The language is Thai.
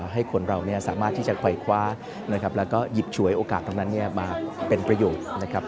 ให้คนเราสามารถที่จะไขว้คว้าและหยิบฉวยโอกาสตรงนั้นมาเป็นประโยชน์